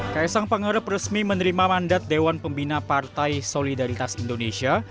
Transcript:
kaisang pangarep resmi menerima mandat dewan pembina partai solidaritas indonesia